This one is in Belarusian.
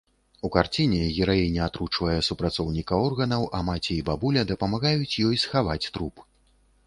У карціне гераіня атручвае супрацоўніка органаў, а маці і бабуля дапамагаюць ёй схаваць труп.